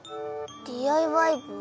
ＤＩＹ部？